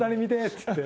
っつって？